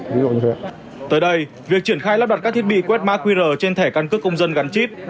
tới đây việc triển khai lắp đặt các thiết bị quét mã qr trên thẻ căn cước công dân gắn chip